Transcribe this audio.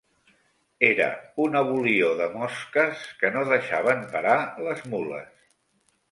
Era una volior de mosques que no deixaven parar les mules.